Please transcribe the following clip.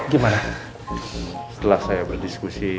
gimana setelah saya berdiskusi